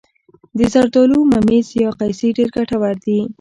د زردالو ممیز یا قیسی ډیر ګټور دي.